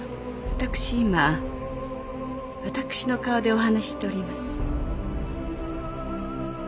私今私の顔でお話ししております。